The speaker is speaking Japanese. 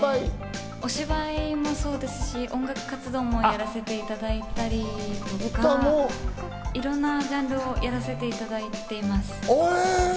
お芝居もそうですし、音楽活動もやらせていただいたり、いろんなジャンルをやらせていただいています。